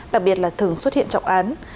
đặc biệt là thường xuất hiện trọng án